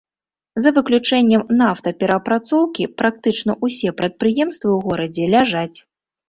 За выключэннем нафтаперапрацоўкі, практычна ўсе прадпрыемствы ў горадзе ляжаць.